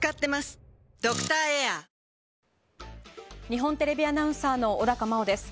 日本テレビアナウンサーの小高茉緒です。